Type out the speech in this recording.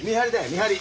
見張り。